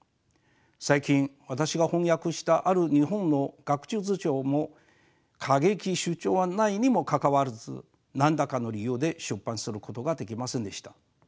最近私が翻訳したある日本の学術書も過激な主張はないにもかかわらず何らかの理由で出版することができませんでした。